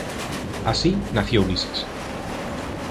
Así, nació Ulises.